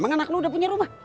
emang anak lu udah punya rumah